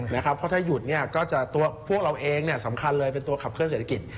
เพราะถ้าหยุดตัวพวกเราเองสำคัญเลยเป็นตัวขับเคลื่อเศรษฐกิจ